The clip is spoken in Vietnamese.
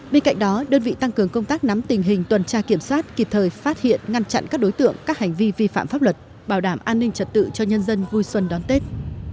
bên cạnh đó đơn vị tăng cường công tác nắm tình hình tuần tra kiểm soát kịp thời phát hiện ngăn chặn các đối tượng các hành vi vi phạm pháp luật bảo đảm an ninh trật tự cho nhân dân vui xuân đón tết